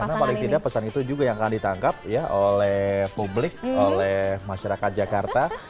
karena paling tidak pesan itu juga yang akan ditangkap ya oleh publik oleh masyarakat jakarta